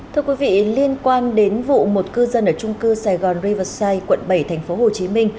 thưa quý vị liên quan đến vụ một cư dân ở trung cư sài gòn riverside quận bảy tp hcm